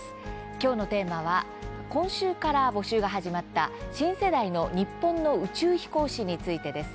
きょうのテーマは今週から募集が始まった新世代の日本の宇宙飛行士についてです。